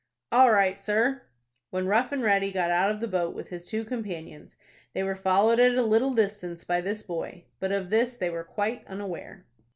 "All right, sir." When Rough and Ready got out of the boat with his two companions, they were followed at a little distance by this boy; but of this they were quite unaware.